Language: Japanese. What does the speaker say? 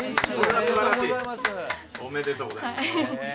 おめでとうございます！